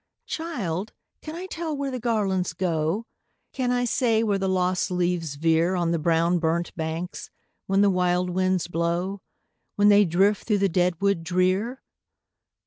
"Child! can I tell where the garlands go? Can I say where the lost leaves veer On the brown burnt banks, when the wild winds blow, When they drift through the dead wood drear?